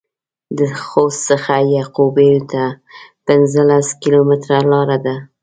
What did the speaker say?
د خوست څخه يعقوبيو ته پنځلس کيلومتره لار ده.